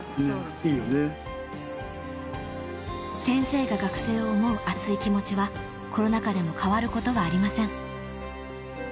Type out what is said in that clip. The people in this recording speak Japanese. ［先生が学生を想う熱い気持ちはコロナ禍でも変わることはありません］